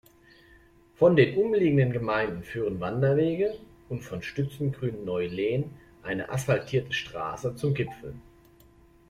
Von den umliegenden Gemeinden führen Wanderwege und von Stützengrün-Neulehn eine asphaltierte Straße zum Gipfel.